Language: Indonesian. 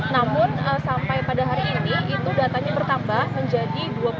namun sampai pada hari ini itu datanya bertambah menjadi dua puluh satu